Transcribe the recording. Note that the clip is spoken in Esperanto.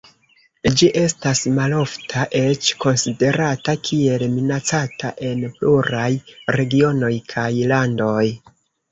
Ĝi estas malofta, eĉ konsiderata kiel minacata en pluraj regionoj kaj landoj.